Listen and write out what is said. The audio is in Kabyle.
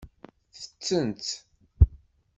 Tettett.